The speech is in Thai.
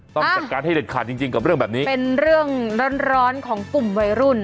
ต้องจัดการให้เด็ดขาดจริงจริงกับเรื่องแบบนี้เป็นเรื่องร้อนร้อนของกลุ่มวัยรุ่น